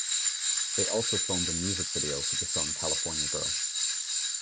They also filmed a music video for the song "California Girl".